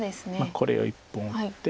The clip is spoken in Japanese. これを１本打って。